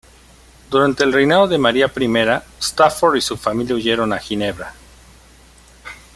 Durante el reinado de María I, Stafford y su familia huyeron a Ginebra.